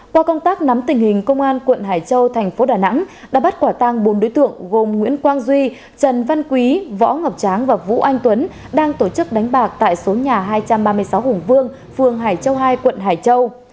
qua công tác nắm tình hình công an quận hải châu thành phố đà nẵng đã bắt quả tăng bốn đối tượng gồm nguyễn quang duy trần văn quý võ ngọc tráng và vũ anh tuấn đang tổ chức đánh bạc tại số nhà hai trăm ba mươi sáu hùng vương phường hải châu hai quận hải châu